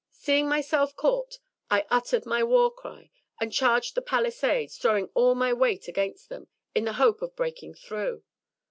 Seeing myself caught, I uttered my war cry, and charged the palisades, throwing all my weight against them, in the hope of breaking through.